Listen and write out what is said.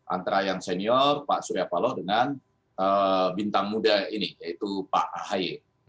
antara yang senior pak surya paloh dengan bintang muda ini yaitu pak ahy